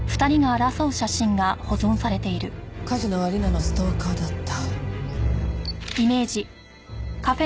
梶野は理奈のストーカーだった。